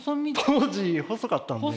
当時細かったんで。